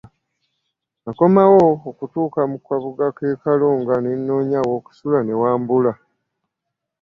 Nakomawo okutuuka mu kabuga k'e Kalonga ne nnoonya aw'okusula ne wambula.